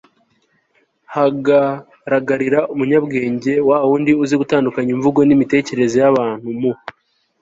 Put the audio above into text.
hagaragarira umunyabwenge, wa wundi uzi gutandukanya imvugo n'imitekerereze y'abantu mu